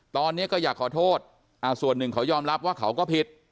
ตอนนี้ก็อยากขอโทษส่วนหนึ่งเขายอมรับว่าเขาก็ผิด